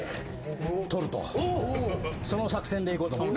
その作戦でいこうと思って。